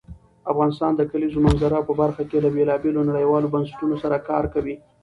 افغانستان د کلیزو منظره په برخه کې له بېلابېلو نړیوالو بنسټونو سره کار کوي.